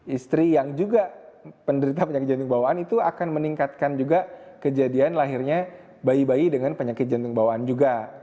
istri yang juga penderita penyakit jantung bawaan itu akan meningkatkan juga kejadian lahirnya bayi bayi dengan penyakit jantung bawaan juga